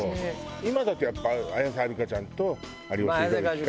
今だとやっぱ綾瀬はるかちゃんと有吉弘行か。